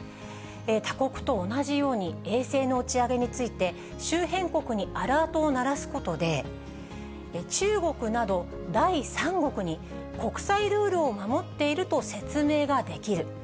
他国と同じように衛星の打ち上げについて、周辺国にアラートを鳴らすことで、中国など第三国に国際ルールを守っていると説明ができる。